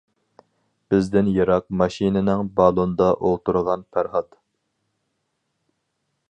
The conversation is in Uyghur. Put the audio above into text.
بىزدىن يىراق ماشىنىنىڭ بالوندا ئولتۇرغان پەرھات.